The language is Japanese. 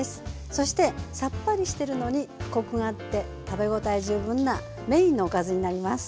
そしてさっぱりしてるのにコクがあって食べ応え十分なメインのおかずになります。